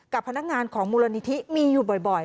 พนักงานของมูลนิธิมีอยู่บ่อย